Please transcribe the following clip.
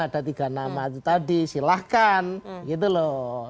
ada tiga nama itu tadi silahkan gitu loh